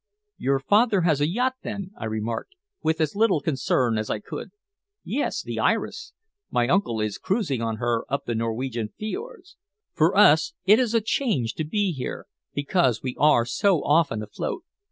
"Your father has a yacht, then?" I remarked, with as little concern as I could. "Yes. The Iris. My uncle is cruising on her up the Norwegian Fiords. For us it is a change to be here, because we are so often afloat.